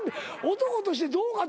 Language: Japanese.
男としてどうかと思うぞ。